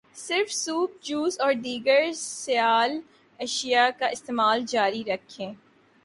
صرف soup, juice, اور دیگر سیال اشیاء کا استعمال جاری رکھیں